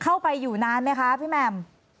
เข้าไปอยู่นานไหมคะพี่แหม่ม